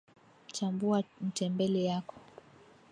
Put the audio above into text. chambua mtembele yako